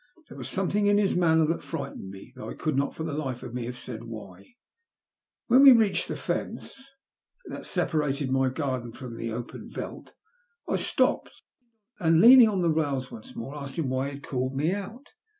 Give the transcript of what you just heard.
There was something in his manner that frightened me, though I could not for the life of me have said why. AVhen we reached the fence that separated my garden from the open veldt I stopped, and leaning on the rails, once more asked him why he had called me out.